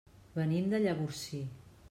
Venim de Llavorsí.